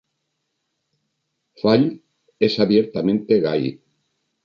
Fall es abiertamente gay.